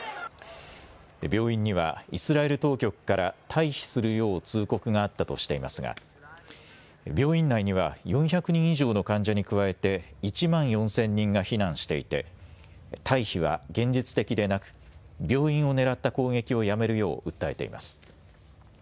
病院にはイスラエル当局から退避するよう通告があったとしていますが、病院内には４００人以上の患者に加えて、１万４０００人が避難していて、退避は現実的でなく、病院を狙った攻撃をやめるよう訴えています。